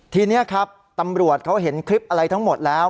ทีนี้ครับตำรวจเขาเห็นคลิปอะไรทั้งหมดแล้ว